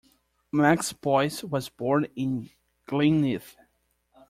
Max Boyce was born in Glynneath.